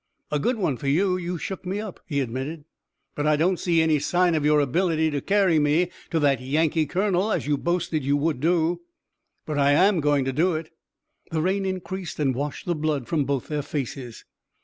"A good one for you. You shook me up," he admitted, "but I don't see any sign of your ability to carry me to that Yankee colonel, as you boasted you would do." "But I'm going to do it." The rain increased and washed the blood from both their faces.